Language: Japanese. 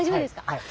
はい。